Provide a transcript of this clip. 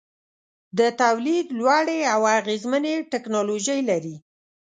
د تولید لوړې او اغیزمنې ټیکنالوجۍ لري.